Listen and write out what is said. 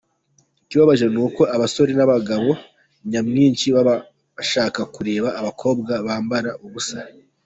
Ikibabaje nuko abasore n’abagabo nyamwinshi baba bashaka kureba abakobwa bambara ubusa.